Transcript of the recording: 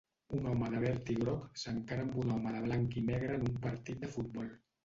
Un home de verd i groc s'encara amb un home de blanc i negre en un partit de futbol.